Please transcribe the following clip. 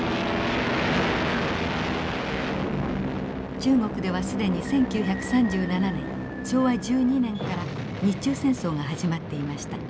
中国では既に１９３７年昭和１２年から日中戦争が始まっていました。